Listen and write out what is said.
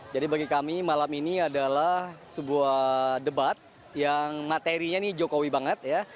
jadi bagi kami malam ini adalah sebuah debat yang materinya jokowi banget ya